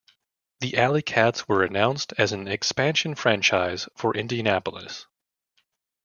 The Alley Cats were announced as an expansion franchise for Indianapolis.